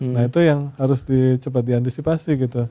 nah itu yang harus cepat diantisipasi gitu